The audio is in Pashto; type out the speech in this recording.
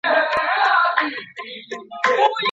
ولي لېواله انسان د پوه سړي په پرتله هدف ترلاسه کوي؟